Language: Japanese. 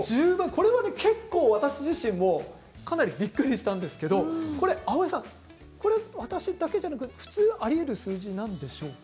これは結構、私自身もかなり驚いたんですが青江さん、私だけじゃなくて普通ある水準なんでしょうか。